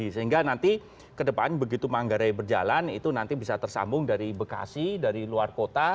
sehingga nanti ke depan begitu manggarai berjalan itu nanti bisa tersambung dari bekasi dari luar kota